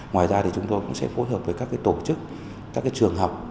ngoài ra thì chúng tôi cũng sẽ phối hợp với các cái tổ chức các cái trường học